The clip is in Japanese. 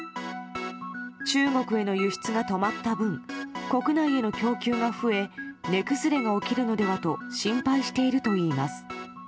中国への輸出が止まった分、国内への供給が増え、値崩れが起きるのではと心配しているといいます。